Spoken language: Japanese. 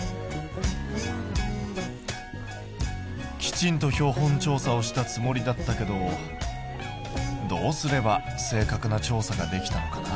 きちんと標本調査をしたつもりだったけどどうすれば正確な調査ができたのかな？